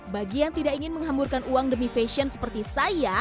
bagi yang tidak ingin menghamburkan uang demi fashion seperti saya